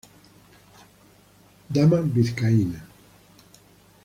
Dama vizcaína.